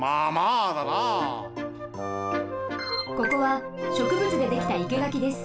ここはしょくぶつでできた生け垣です。